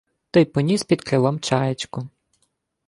Та й поніс під крилом чаєчку.